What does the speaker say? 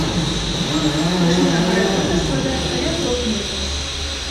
Вышыня парапета складае каля трох метраў.